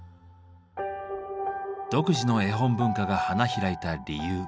独自の絵本文化が花開いた理由。